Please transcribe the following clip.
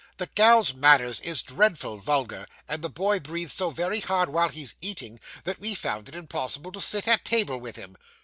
The gal's manners is dreadful vulgar; and the boy breathes so very hard while he's eating, that we found it impossible to sit at table with him.